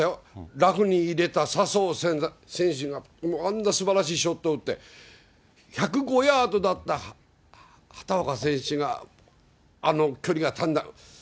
ラフに入れた笹生選手が、もうあんなすばらしいショットを打って、１０５ヤードだった畑岡選手が、あの距離が足んない。